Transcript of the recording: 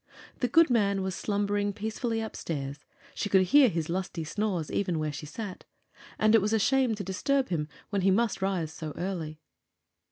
The good man was slumbering peacefully upstairs she could hear his lusty snores even where she sat and it was a shame to disturb him when he must rise so early.